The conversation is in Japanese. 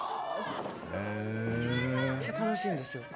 めっちゃ楽しいんですよ。